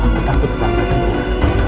aku takut bangga denganmu